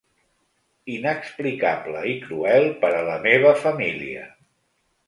Inexplicable i cruel per a la meva família